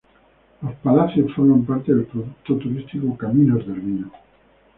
Los Palacios forma parte del producto turístico Caminos del Vino.